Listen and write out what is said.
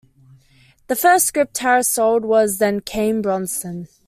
The first script Harris sold was "Then Came Bronson".